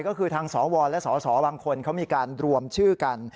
ก็คือทางสวและสสวมีการรวมชื่อกัน